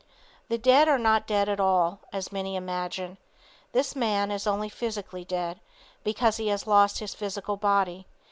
The dead are not dead at all, as many imagine. This man is only physically dead because he has lost his physical body.